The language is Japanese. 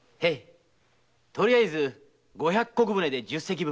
とりあえず五百石船で十隻分。